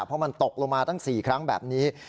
เพราะมันตกลงมาตั้ง๔ครั้งแบบนี้